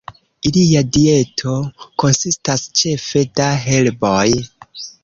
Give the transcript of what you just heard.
Ilia dieto konsistas ĉefe da herboj.